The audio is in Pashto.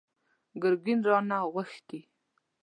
ګرګين رانه غوښتي!